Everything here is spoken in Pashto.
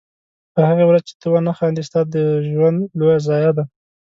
په هغې ورځ چې ته ونه خاندې ستا د ژوند لویه ضایعه ده.